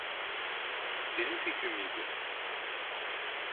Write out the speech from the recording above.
Senin fikrin miydi?